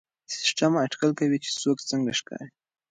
سیسټم اټکل کوي چې څوک څنګه ښکاري.